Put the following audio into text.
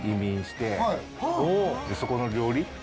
そこの料理。